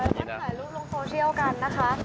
แค่ถ่ายรูปลงโซเชียลกันนะคะ